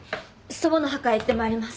祖母の墓へ行ってまいります。